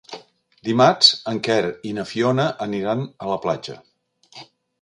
Dimarts en Quer i na Fiona aniran a la platja.